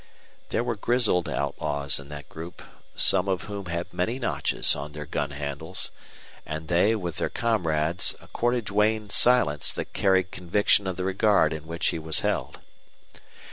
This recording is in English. There were grizzled outlaws in that group, some of whom had many notches on their gun handles, and they, with their comrades, accorded Duane silence that carried conviction of the regard in which he was held.